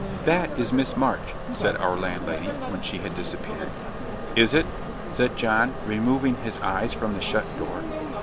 "That is Miss March," said our landlady, when she had disappeared. "Is it?" said John, removing his eyes from the shut door.